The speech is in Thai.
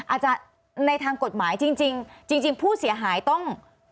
ในทางกฎหมายจริงผู้เสียหายต้อง